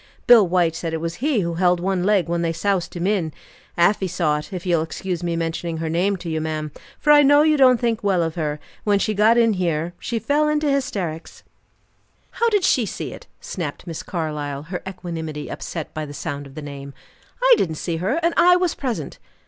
Bill White said it was he who held one leg when they soused him in. Afy saw it if you'll excuse me mentioning her name to you, ma'am, for I know you don't think well of her and when she got in here, she fell into hysterics." "How did she see it?" snapped Miss Carlyle, her equanimity upset by the sound of the name. "I didn't see her, and I was present."